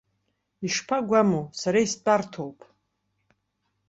Ишԥагәаму, сара истәарҭоуп!